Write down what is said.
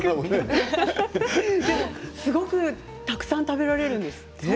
すごくたくさん食べられるんですって？